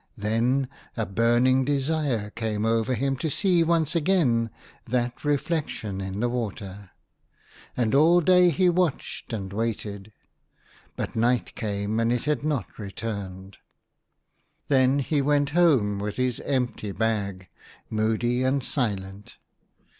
Then a burning desire came over him to see once again that reflection in the water, and all day he watched and waited ; but night came, and it had not 26 THE HUNTER. returned. Then he went home with his empty bag, moody and silent.